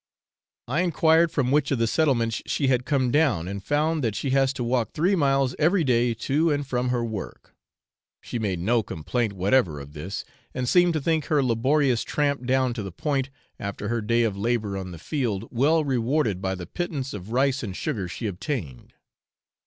I enquired from which of the settlements she had come down, and found that she has to walk three miles every day to and from her work. She made no complaint whatever of this, and seemed to think her laborious tramp down to the Point after her day of labour on the field well rewarded by the pittance of rice and sugar she obtained.